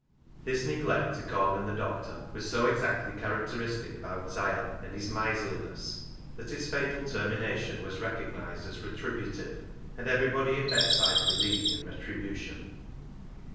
This neglect to call in the doctor was so exactly characteristic of " Owd 'Siah " and his miserliness that its fatal termination was recog nised as retributive, and everybody in Beckside believed in retribution.